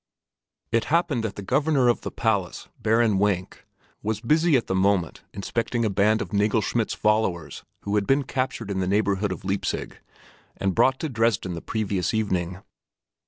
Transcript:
It happened that the Governor of the Palace, Baron Wenk, was busy at the moment inspecting a band of Nagelschmidt's followers who had been captured in the neighborhood of Leipzig and brought to Dresden the previous evening.